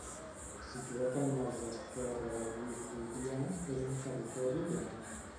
Situat al marge esquerre del riu Fluvià, és un territori planer.